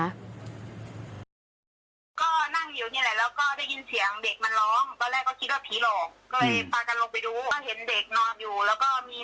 ล่าสู่วันนี้ทีมข่าวเราก็ลงพื้นที่ไปที่จุดเกิดเหตุนะคะ